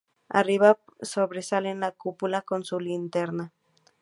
Arriba sobresale la cúpula con su linterna.